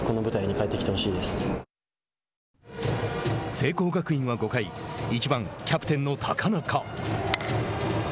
聖光学院は５回１番キャプテンの高中。